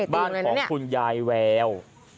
บ้านของคุณยายแวว